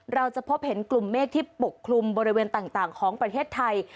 เราจะพบเห็นกลุ่มเมฆที่ปกคลุมบริเวณต่างของประเทศไทย